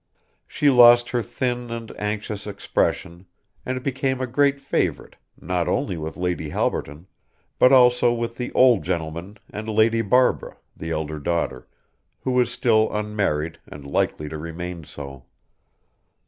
She lost her thin and anxious expression and became a great favourite, not only with Lady Halberton, but also with the old gentleman and Lady Barbara, the elder daughter, who was still unmarried and likely to remain so.